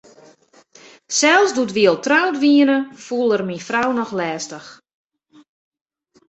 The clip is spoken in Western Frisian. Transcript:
Sels doe't wy al troud wiene, foel er myn frou noch lestich.